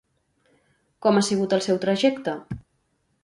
Com ha sigut el seu trajecte?